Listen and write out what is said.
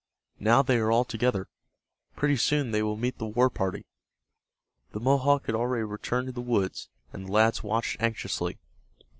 Now they are all together. Pretty soon they will meet the war party." The Mohawk had already returned to the woods, and the lads watched anxiously.